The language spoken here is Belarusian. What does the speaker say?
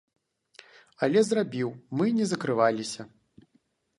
Але зрабіў, мы не закрываліся.